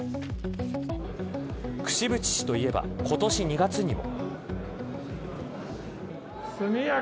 櫛渕氏といえば、今年２月にも。